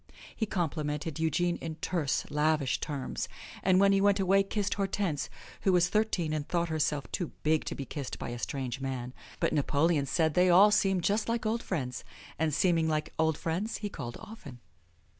He complimented Eugene in terse, lavish terms, and when he went away kissed Hortense, who was thirteen and thought herself too big to be kissed by a strange man. But Napoleon said they all seemed just like old friends. And seeming like old friends he called often.